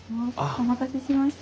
お待たせしました。